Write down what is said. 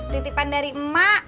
titipan dari emak